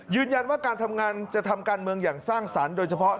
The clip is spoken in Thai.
ยืนยันว่าการทำงานจะทำการเมืองอย่างสร้างสรรค์โดยเฉพาะ